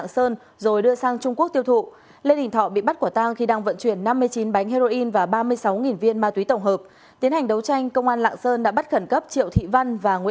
xin chào các bạn